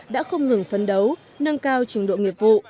đã không ngừng phấn đấu nâng cao trình độ nghiệp vụ